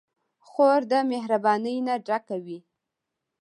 خور د مهربانۍ نه ډکه وي.